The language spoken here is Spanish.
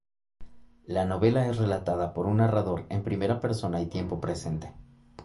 La novela es relatada por un narrador en primera persona y tiempo presente.